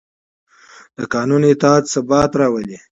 د قانون اطاعت ثبات راولي